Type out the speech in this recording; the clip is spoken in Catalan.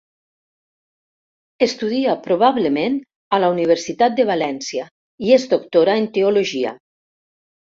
Estudia, probablement, a la Universitat de València, i es doctora en Teologia.